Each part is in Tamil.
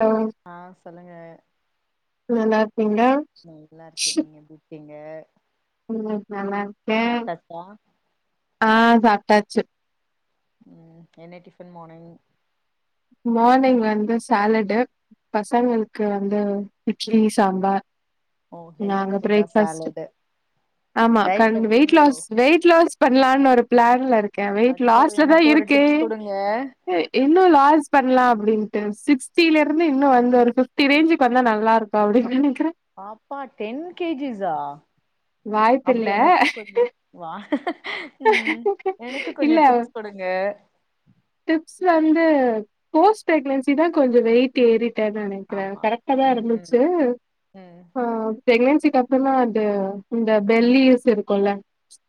ஹலோ ஆ சொல்லுங்க நல்லாருக்கீங்ளா நல்லா இருக்கே நீங்க எப்டி இருக்கீங்க ம் நல்லாருக்கே சாப்ட்டாச்சா ஆ சாப்டாச்சி ம் என்ன டிஃபன் மார்னிங் மார்னிங் வந்து சாலடு பசங்களுக்கு வந்து இட்லி சாம்பார் ஓ ஹெல்தி நாங்க ஃபுட்டா பிரேக்பஸ்ட் சாலடு ஆமா டயட்ல கண் வெயிட் இருக்கீங்களோ லாஸ்ட் வெயிட் லாஸ்ட் பண்ணலான்னு ஒரு பிளான்ல இருக்க வெயிட் அச்சோ லாஸ்ல தா எனக்கு ஒரு இருக்கு டிப்ஸ் குடுங்க இன்னு லாஸ் பண்ணலா அப்டின்ட்டு சிக்ஸ்டில இருந்து இன்னு வந்து ஒரு ஃபிப்டி ரேஞ்சுக்கு வந்தா நல்லாருக்கும் அப்டினு நெனைக்கற பாப்பா டென் கே ஜிஸா வாய்ப்பில்ல அப்டியே எனக்கும் கொஞ்ச வா ம் எனக்கு கொஞ்ச இல்ல டிப்ஸ் கொடுங்க டிப்ஸ் வந்து போஸ்ட் ப்ரேகன்சி தா வந்து கொஞ்ச வெயிட் தேரிட்டான்னு நினைக்குற ஆமா கரெக்டா தா ம் ம் இருந்துச்சு ம் ஆ பிரெக்னன்சிக்கு அப்பறமா அது இந்த பெல்லிஸ் இருக்கும்ல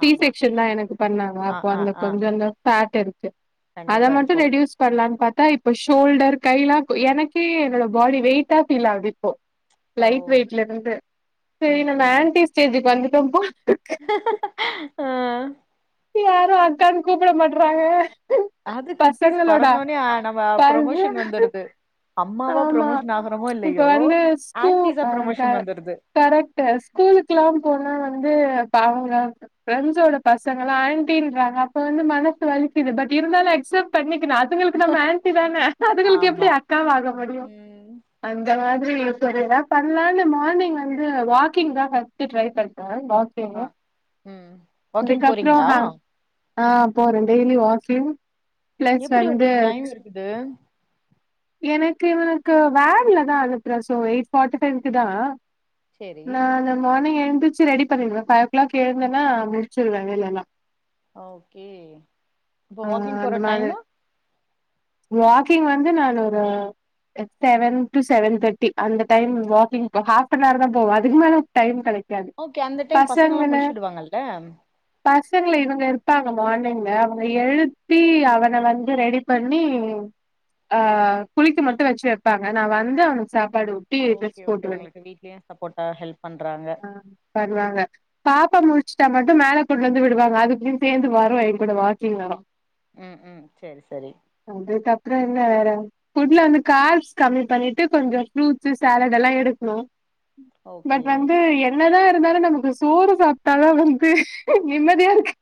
சி ஆமா செக்ஸன் தா எனக்கு பண்ணாங்க ஆ அப்போ ஆ அந்த ஆ கொஞ்ச அந்த ஃபேட் இருக்கு அத கண்டிப்பா மட்டும் இருக்கு ரெடியூஸ் பண்ணலான்னு பாத்தா இப்போ ஷோல்டர் கை எல்லா எனக்கே என்னோட பாடி வெயிட்டா ஃபீல் ஆகுது இப்போ ஓ லைட் வெயிட்லருந்து சேரி ம் நம்ம ம் ஆண்ட்டி ஸ்டேஜுக்கு வந்துட்டோ போல் இருக் [unintelligible] ஆ யாரு அக்கானு கூப்டமாட்றாங்க அது குட்டிஸ் பொறந்தனுயே நம்ம ப்ரொமோஷன் பச வந்துருது அம்மாவா ஆமா ப்ரமோஷன் ஆகுறோமோ இப்ப இல்லயோ வந்து ஆன்டிஸா ப்ரமோஷன் வந்துருது கரெக்ட்டு ஸ்கூலுக்குல்லா போனா வந்து இப்ப அவங்க பிரண்ட்ஸ் ஓட பச பசங்கள்லா ஆண்டின்றாங்க அப்ப வந்து மனசு வலிக்குது பட் இருந்தாலு அக்சப்ட் பண்ணிக்கனு அதுங்களுக்கு நம்ம ஆண்ட்டி தான அதுங்களுக்கு எப்டி ஆமா அக்காவாக முடியு ம் அந்த மாதிரி சரி எதாது பண்ணலான்னு மார்னிங் வந்து வாக்கிங் தா ஃபர்ஸ்ட் ட்ரை பண்ற ஆ ம் வாக்கிங் போறீங்க ஆ போற டெய்லி வாக்கிங் பிளஸ் எப்டி வந்து உங்களுக்கு டைம் இருக்குது எனக்கு இவனுக்கு வேன்ல தா அனுப்பற சோ எயிட் ஃபார்ட்டி ஃபைவ்க்கு தா சேரி நா நான் மார்னிங் எழுந்துச்சு ரெடி பண்ணிடுவ ஃபைவ் ஓ கிளாக் எழுந்தன்னா முடிச்சிருவ வேலலா ஓகே இப்போ ஆ வாக்கிங் போற அந்த மாதிரி டைமு வாக்கிங் வந்து நானு ஒரு செவன் டு செவன் தர்ட்டி அந்த time walking half an hour தா போவ அதுக்க மேல டைம் கெடைக்காது பசங்கள விப்பாங்கள்ல பசங்கள இவங்க இருப்பாங்க மார்னிங்ல அவங்கள எழுப்பி அவன வந்து ரெடிப் பண்ணி ஆ குளிக்க மட்டு வச்சு வைப்பாங்க நா வந்து அவனுக்கு சாப்பாடு ஊட் ஓகே ஓகே உங்களுக்கு வீட்லயு சப்போர்டா ஹெல்ப் பண்றாங்க ஆ பண்ணுவாங்க பாப்பா முடிச்சுட்டா மட் மேல கொண்டுவந்து விடுவாங்க அதுகளு சேர்ந்து வரு எய கூட வாக்கிங் வரு ம் ம் செரி செரி அதுக்கப்பற என்ன வேற ஃபுட்ல வந்து கார்ப்ஸ் கம்மி பண்ணிட்டு கொஞ்சோ ஃப்ரூட்ஸ் சாலட் எல்லா எடுக்கணு ஓகே ஃபட் வந்து என்னதா இருந்தாலு நமக்கு சோறு சாப்டாதா வந் நிம்மதியாருக்கு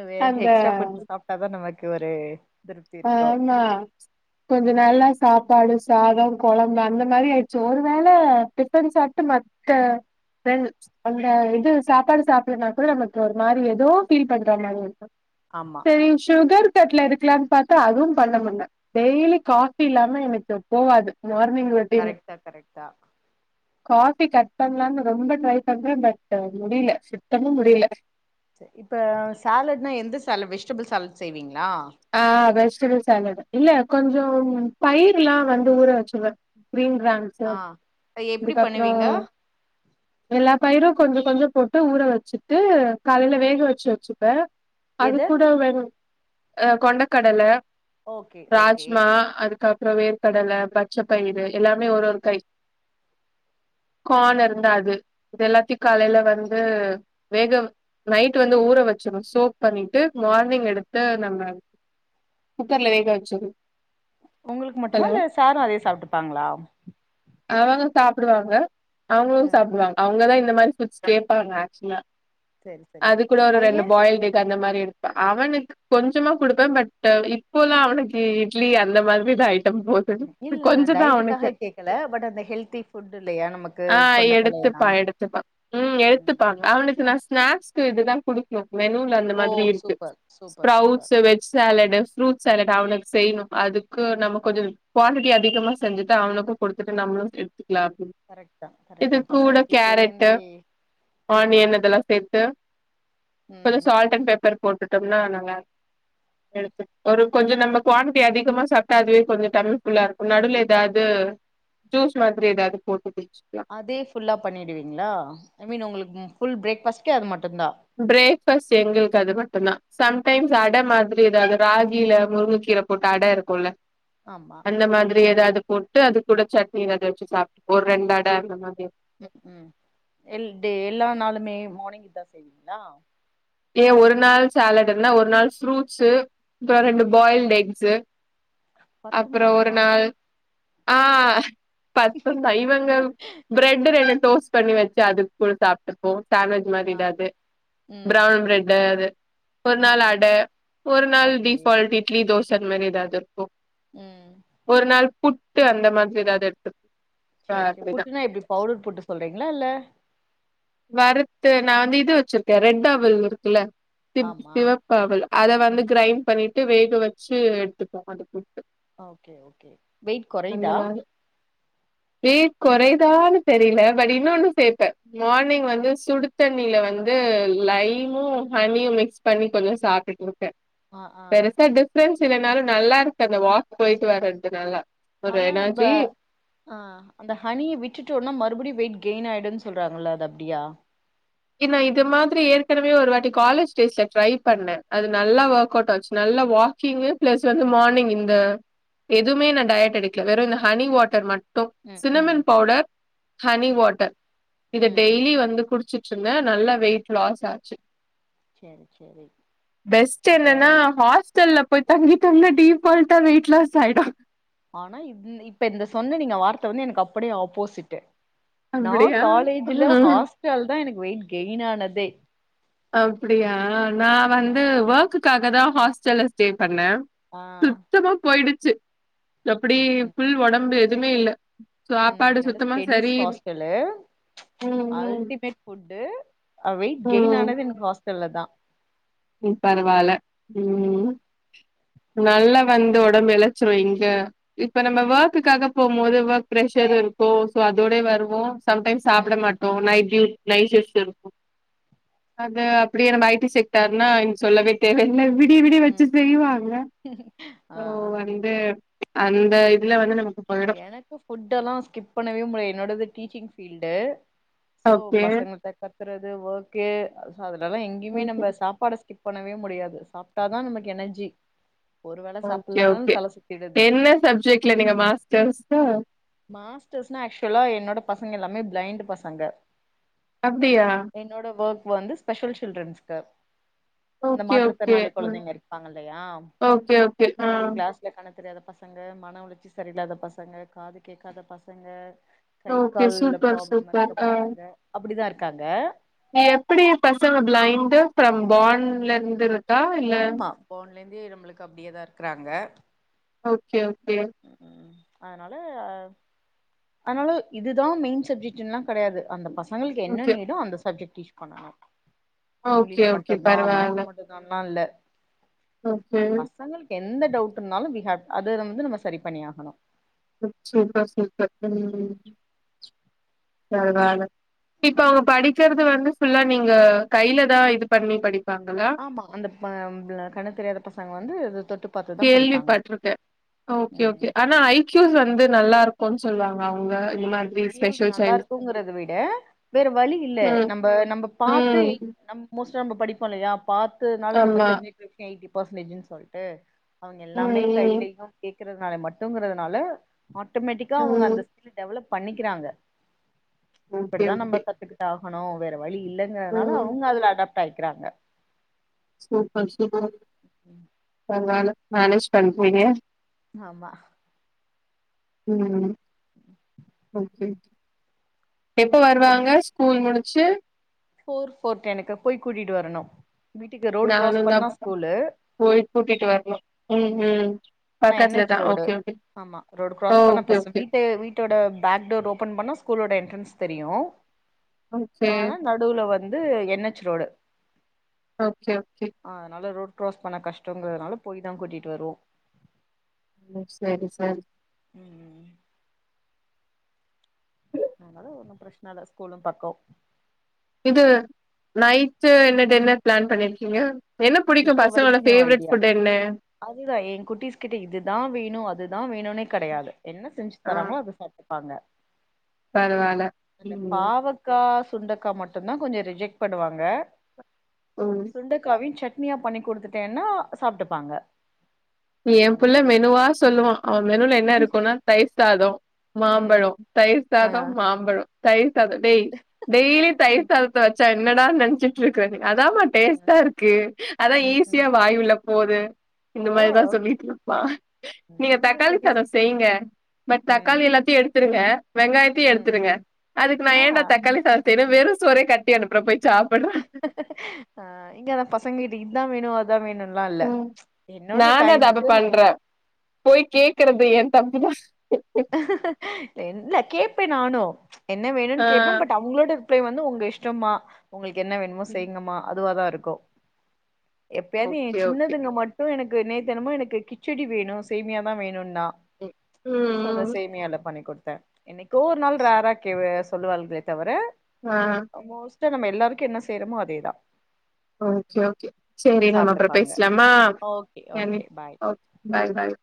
அது எக்ஸ்ட்ரா ஃபுட்ஸ் சாப்டாதா நமக்கு ஒரு திருப்தி இருக்கு ஆமா கொஞ்சோ நல்லா சாப்பாடு சாத கொழம்பு அந்த மாதிரி ஆயிடுச்சு ஒருவேள டிஃபன் சாப்ட்டு மத் க தென் ம்ச் அந்த இது சாப்பாடு சாப்பிடுனா கூட நமக்கு ஒரு மாரி ஏதோ ஃபீல் பண்ற மாரி இருக்கு ஆமா செரி சுகர் கட்ல எடுக்கலானு பாத்தா தா அதுவு பண்ண முடில டெய்லி காபி இல்லாம எனக்கு போகாது மார்னிங் வந் கரெக்ட்தா கரெக்ட்தா காஃபி கட் பண்லான்னு ரொம்ப ட்ரை பண்றே பட் முடியலே சுத்தமா முடியல செரி இப்ப சேலட்னா எந்த சேலட் வெஜ்டெபிள் சேலட் செய்வீங்களா ஆ வெஜ்டெபிள் சேலட் இல்ல கொஞ்சொ பயிர் எல்லா வந்து ஊற வெச்சுருவ க்ரீன் க்ரேம்ஸ்சு ஆ எப்டி அதுக்கப்பறோ பண்ணுவீங்க எல்லா பயிரு கொஞ்சொ கொஞ்சொ போட்டு ஊற வெச்சிட்டு காலேல வேக வெச்சு வெச்சுப்ப அது எது கூட வெணு ஆ கொண்டகடல ஓகே ஓகே ராஜ்மா அதுக்கப் அப்பறோ வேர்கடல பச்சை பயிரு எல்லாமே ஒரு ஒரு கை கான் இருந்தா அது இது எல்லாத்தயு காலைல வந்து வேக நைட்டு வந்து ஊற வெச்சுருனு சோக் பண்ணிட்டு மார்னிங் எடுத்து நல்லா குக்கர்ல வேக வெச்சது உங்களுக்கு மட்டுமா இல்ல சாரு அதயே சாப்ட்டுப்பாங்களா அவங்க சாப்புடுவாங்க அவங்களு ம் சாப்புடுவாங்க அவங்கதா இந்த மாரி ஃபுட்ஸ் கேப்பாங்க ஆக்சுவல்லா செரி செரி அது கூட ஒரு ரெண்டு பாயில்ட் எக் எக் அந்த மாரி எடுப்ப அவனுக்கு கொஞ்சமா குடுப்ப பட் இப்போல்லா அவனுக்கு இட்லி அந்த மாதிரிதா ஐட்டம் போ இல்லல்ல நா டயெட்டுக்காக கேக்குல பட் அந்த ஹெல்த்தி ஃபுட் இல்லையா நமக்கு ஆ கொண்டகல்ல எல்லா எடுத்துப்பா எடுத்துப்பா ம் எடுத்துப்பா அவனுக்கு நா ஸ்நாக்ஸ்க்கு இதுதா குடுக்கணு மெனுல அந்த ஓ மாதிரி இருக்கு super super sprout super veg salad fruit salad அவனுக்கு செய்யணு அதுக்கு நம்ம கொஞ்சோ குவான்ட்டி அதிகமா செஞ்சுட்டு அவனுக்கு குடுத்துட்டு நம்மளு எடுத்துக்கலா அப்படின்னு கரெக்ட் தா கரெக்ட் தா பசங்களுக்கு இப்பேலேருந்தே ஆனியன் இதெல்லா சேர்த்து கொஞ்சோ ம் சால்ட் அண்ட் பெப்பர் போட்டு சொம்னா நல்லா இருக்கு எடுத் ஒரு கொஞ்சோ நம்ம குவான்டிட்டி அதிகமா சாப்பிட்டா அதுவே கொஞ்சோ தம் புல்லா இருக்கு நடுவுல கண்டிப்பா ஏதாவது ஜூஸ் மாதிரி ஏதாவது போட்டு குடிச்சுக்கலா அதே ஃபுல்லா பண்ணிவிடுவீங்களா ஐ மீன் உங்களுக்கு ஃபுல் பிரேக் ஃபாஸ்ட்கே அது மட்டுந்தா ப்ரேக்பாஸ்ட் எங்களுக்கு அது மட்டுந்தா சம்டைம்ஸ் அட மாதிரி எதாவது ராகில முருங்ககீர போட்டு அட இருக்குல்ல ஆமா அந்த மாதிரி எதாவது போட்டு அது கூட சட்னி எதாவுது வெச்சு சாப்ட்டு ஒரு ரெண்டு அட அந்த மாதிரி ம் ம் எல் டே எல்லா நாளூமே மார்னிங் இதா செய்வீங்களா ஏ ஒரு நாள் சேலட் இருந்தா ஒரு நாள் ஃப்ரூட்ஸ்சு அப்பறொ ரெண்டு பாயில்ட் எக்ஸ்சு அப்பறோ பத்துமா ஒரு நாள் ஆ பத்துந் தைவங்கள் ப்ரெட்டு ரெண்டு டோஸ்ட் பண்ணி வெச்சு அது கூட சாப்ட்டுப்போ சேண்வெஜ் மாதிரி ஆ ஏதாவது ம் ப்ரௌன் ப்ரெட்டு அது ஒரு ம் நாள் அட ம் ஒரு நாள் ஓகே டீஃபால்ட் இ இட்லி தோச அந்த மாரி எதாவது இருக்கு ம் ஒரு நாள் புட்டு அந்த மாரி எதாவது எடுத்துப் சேரி சேரி புட்டுனா இப்பிடி பவுடர் புட்டு சொல்றீங்களா இல்ல வறுத்து நா வந்து இது வெச்சிருக்கே ரெட் அவல் இருக்குல்ல சிப் ஆமா சிவப்பவுல் அத வந்து ம் க்ரைண்ட் பண்ணிட்டு வேக வெச்சு எடுத்துப்போ அதுக்கு ஆ ஓகே ஓகே வெயிட் அந்த கொறயுதா மாரி வெயிட் கொறயுதான் தெரில. பட் இன்னொன்னு சேப்ப. மார்னிங் வந்து சுடு தண்ணில வந்து லைமு ஹனியு மிக்ஸ் பண்ணி கொஞ்சோ சாப்ட்டுட் இருக்க ஆ ஆ பெருசா டிஃப்ரென்ஸ் இல்லனாலு நல்லா இருக்கு அந்த வாக் போய்ட்டு வர்றதுனால ஒரு ஆனா நம்ப எனர்ஜி ஆ அந்த ஹனிய விட்டுடோனா மறுபடி வெயிட் கெயின் ஆய்டுன் சொல்றாங்கல்ல அது அப்டியா கின் நா இது மாதிரி ஏற்கனவே ஒரு வாட்டி காலேஜ் டேஸ்ல ட்ரை பண்ண. அது நல்லா ம் வோர்க் அவுட் ஆச்சு. நல்லா வாக்கிங்கு ப்ளஸ் வந்து மார்னிங் இந்த எதுமே நா டயட் எடுக்கல. வெறு இந்த ஹனி வாட்டர் மட் டொ ம் ம் சினமென் பவ்டர் ஹனி ம் வாட்டர் இத ம் டெய்லி வந்து குடு ச்சுட்ருந்த நல்ல வெயிட் லாஸ் ஆச்சு செரி செரி அப்ப கிச்சன்ல போய் தூங்கிட்டோனா டீப்ஃபால்ட்டா வெய்ட்லாஸ் ஆய்டு ஆனா இப்ப இந்த சொன்ன நீங்க வார்த்த வந்து எனக்கு அப்டியே ஆப்போசிட்டு் நா அப்டியா காலேஜ்ல ம் ஹாஸ்டல்லதா எனக்கு வெயிட் கெயின் ஆனதே அப்டியா நா வந்து ஒர்க்குக்காகதா ஹாஸ்டல்ல ஸ்டே பண்ண ஆ சுத்தமா போய்டுச்சு எப்டி ம் ம் ஃபுல் உடம்பு எதுமே இல்ல ம் சாப்பாடு என்னோட சுத்தமா ஸ்டடிஸ் சரி ஹாஸ்டலு ம் ம் அல்டிமேட் ஃபுட்டு வெயிட் கெயின் ம் ஆனது எனக்கு ஹாஸ்டல்லதா ம் பரவால்ல ம் நல்லா வந்த உடம்ப இளச்சு வைங்க இப்ப நம்ம ஒர்க்குக்காக போம் போது ஒர்க் ப்ரெஷர் இருக்கு சோ அதோட வருவோ சம்டைம்ஸ் ம் சாப்ட ம் மாட்டோ நைட் டியூ நைட் ட்ரெஸ்ட் எடுப்போ அந்த அப்டியே நம்ம ஐ டி செக்டார்னா இன்னு சொல்லவே தேவ இல்ல விடிய விடிய வச்சு ம் செய்வாங்க ஆ ஓ அடி பே அந்த இதுல வந்து நமக்கு இந்த போயிடும். எனக்கு ஃபுட் எல்லா ஸ்கிப் பண்ணவே முடி என்னோடது டீச்சிங் ஃபீல்டு சோ ஓகே பசங்கள்ட்ட கத்துறது வோர்க்கு அதுனாலா எங்கயுமே நம்ப சாப்பாட ஸ் ஸ்கிப் பண்ணவே முடியாது. சாப்ட்டாதா நமக்கு எனர்ஜி. ஒரு வேல ஓகே சாப்ட்லனாலு ஓகே. தல சுத்திடுது. என்ன சப்ஜெக்ட் இல்ல நீங்க மாஸ்டர்ஸ் தா மாஸ்டர்ஸ்னா ஆக்சுவலா என்னோட பசங்க எல்லாமே ப்ளைண்ட்டு பசங்க அப்டியா என்னோட ஒர்க் வந்து ஸ்பெஷல் சில்டரன்ஸ்க்கு இந்த ஓகே ஓகே. மாற்றுத்திறனாளி குழந்தைங்க இருப்பாங்கல்லயா ஓகே ஓகே. சோ ஆ. எ கிளாஸ் ல கண்ணு தெரியாத பசங்க மன உளர்ச்சி சரியில்லாத பசங்க காது கேட்காத பசங்க கை ஓகே கால்ல சூப்பர் ப்ராப்ளம் இருக்க சூப்பர். பசங்க நா எப்டி பசங்க பிளைண்டு ஃப்ரம் பார்ன்லருந்து இரு ஆமா போனலிந்தே நம்மளுக்கு அப்டியே தா இருக்குறாங்க ஓகே ஓகே ம் அதனால ஆனாலு இதுதா மெய்ன் சப்ஜெக்ட்டுன்லா கெடையாது அந்த பசங்களுக்கு என்ன ஓகே. நீடோ அந்த சப்ஜெக்ட் டீச் பண்ணணு ஓகே இங்லிஷ் ஓகே மட்டுந்தா பரவால்ல. மேக்ஸ் மட்டு நான்ல ஓகே. பசங்களுக்கு எந்த டவுட் இருந்தாலு வி ஹேவ் அது வந்து நம்ம சரி பண்ணி ஆகணு சூப்பர் சூப்பர் ம் இப்ப நானு இப்ப அவுங்க படிக்கிறது வந்து ஃபுல்லா நீங்க கைய்ல தா இது பண்ணி படிப்பாங்கள ஆமா அந்த ப கண்ணு தெரியாத பசங்க வந்து தொட்டு பாத்துதா படிப்பாங்க கேள்விபட்ருக்கே ஓகே ஓகே ம் ஆனா ஐ கியூஸ் வந்து நல்லா இருக்குன் சொல்வாங்க அவுங்க ஐக்கியூஸ் நல்லா இருக்குங்கறத விட வேற வலி இல்ல ம், நம்ப நம்ப பாத்து ம். நம் மோஸ்டா நம்ம படிப்போ இல்லயா பாத்ததுனால நம்ம ஆமா. தெரிஞ்சுட்ருக்க எய்ட்டி பெர்சன்டேஜ்னு சொல்ட்டு அவுங்க எல்லாமே ம், கைலயு கேக்குறதுனால மட்டுங்றதுனால ஆட்டோ மேட்டிக்கா ம், அவுங்க ம். அந்த அது டெவலப் பண்ணிக்கிறாங்க ஓகே, இப்டிதா நம்ம ஓகே. கத்துக்கிட்டாகணு வேற வழி இல்ல ங்குறதுனால ம். அவுங்க அதுல அடாப்ட் ஆயிக்கிறாங்க சூப்பர் சூப்பர் பர்வால மேனேஜ் பண்றீங்க ஆமா ம் ஓகே எப்ப வருவாங்க ஸ்கூல் முடிச்சு ஃபோர் ஃபோர் டெனுக்கு போய் கூட்டிட்டு வரணு வீட்டுக்கு ரோடு கிராஸ் நானும் தான் பண்ணா ஸ்கூலு போய் கூட்டிட்டு வரணும். ம், ம். ஆனா என் பக்கத்துல எச் தான். Road okay, okay. ஆமா ரோடு கிராஸ் பண்ண ஓகே, பச ஓகே. வீட்டே வீட் டோட பேக் டோர் ஓபன் பண்ணா ஸ்கூலோட என்ட்ரன்ஸ் தெரியு ஓகே ஆனா நடுவுல வந்து N H road okay okay அதனால ரோட் க்ராஸ் பண்ண கஷ்டங்கறதுனால போய் தா கூட்டிட்டு வருவோ செரி செரி ம் ம் அதனால ஒன்னு பிரச்சன இல்ல ஸ்கூலு பக்கோ இது நைட்டு என்ன டின்னர் பிளான் பண்ணிருக்கீங்க என்ன புடிக்கு இப்போ பசங்களோட வரைக்கு நியூ ஃபேவரெட் ஐடியா ஃபுட் என்ன அதுதா எ குட்டீஸ் கிட்ட இதுதா வேணு அதுதா வேணுனே கெடையாது என்ன செஞ்சு ஆ தராங்களோ அத சாப் டுபாங்க பரவால்ல. இந்த ம் பாவக் கா சுண்டக்கா மட்டுதா கொஞ்ச ரிஜெக்ட் பண்ணுவாங்க ம் வெண்டக்காவின் சட்னியா பண்ணி குடுத்துட்டேன்னா சாப்ட்டுப்பாங்க என் அவங்க புள்ள ஃபுல் மெனுவா சொல்லுவான் அவன் மெனுல என்ன இருக்குனா தயிர் சாதம் மாம்பழோ ம். தயிர் ஆ சாத மாம்பழோ தயிர் சாத டெய் டெய்லி தயிர் ம் சாதத்த வச்சா என்னடா நெனச்சிட்டு இருக்ற நீ அதான்மா ஆ டேஸ்ட்டா இருக்கு அதா ம் ம் ஈஸியா வாய் உள்ள போது இந்த ஓ மாரிதா சொல்லிட்ருப்பா நீங்க எங்க தக்காளி குட்டிஸ் சாதம் செய்யுங்க பட் ம் தக்காளி எல்லாத்தையு எடுத்துருங்க வெங்காயத்தையு ம் எடுத்துருங்க அதுக்கு நா ஆ ஏண்டா தக்காளி சாதம் செய்ற வெறு சோறே கட்டி அனுப்புற போய் சாப் ஆ இங்கதா பசங்க இத இத்தா வேணு அ அதா வேணுன்ல்லா இல்ல என்னோட நானு அத அப்ப டைமுக்கு நா பண்றே என்ன போய் கேக்குறது எ தப்புதா என் இல்ல கேப்பே நானு என்ன வேணுன் ஆ கேட்ப்பே பட் அவுங்ளோட ப்பயு வந்து உங்க இஷ்டம்மா உங்களுக்கு என்ன வேணுமோ செய்ங்கமா அதுவாதா இருக்கு எப்பயாது எ ஓகே ஓகே சின்னதுங்க மட்டு எனக்கு நேத்தென்னமோ எனக்கு கிச்சடி வேணு சேமியாதா வேணுன்னா ம் சோ அந்த ம் சேமியால்லா பண்ணி குட்த்தே என்னைக்கோ ஒரு நாள் ரேரா கே அ சொல்லுவாள்கே தவர ஆ மோஸ்ட்டா நம்ம எல்லாருக்கு என்ன செய்றமோ அதேதா ஓகே ஓகே சேரி நம்ம அப்றோ சாப்ட்டுப்பாங்க பேஸ்லாமா ஓகே சேரி ஓகே பாய் ஓக் பாய் பாய்